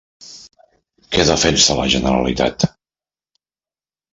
Què defensa la Generalitat?